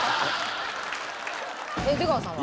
出川さんは？